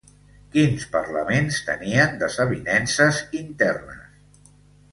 Quins parlaments tenien desavinences internes?